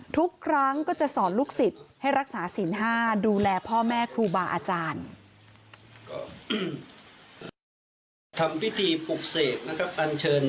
ทุกครั้งก็จะสอนลูกศิษย์ให้รักษาศีล๕ดูแลพ่อแม่ครูบาอาจารย์